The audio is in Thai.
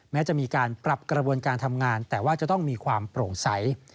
แม้จะมีการปรับกระบวนการทำงานแต่ว่าจะต้องมีความโปร่งใส